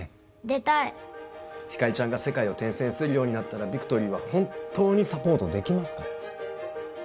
出たいひかりちゃんが世界を転戦するようになったらビクトリーは本当にサポートできますか？